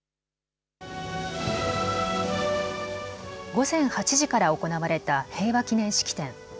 午前８時から行われた平和記念式典。